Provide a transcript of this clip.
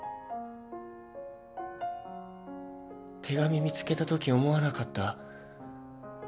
手紙見つけたとき思わなかった？